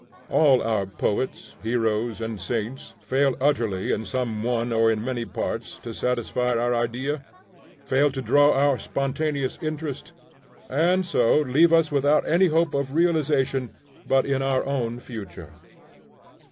All our poets, heroes, and saints, fail utterly in some one or in many parts to satisfy our idea, fail to draw our spontaneous interest, and so leave us without any hope of realization but in our own future.